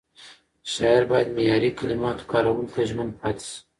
شاعر باید معیاري کلماتو کارولو ته ژمن پاتې شي.